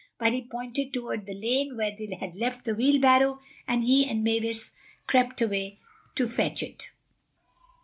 But he pointed toward the lane where they had left the wheelbarrow and he and Mavis crept away to fetch it.